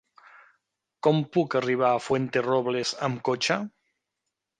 Com puc arribar a Fuenterrobles amb cotxe?